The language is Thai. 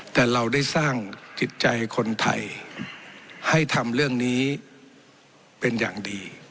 แต่เราได้สร้างจิตใจคนไทยให้ทำเรื่องนี้เป็นอย่างดี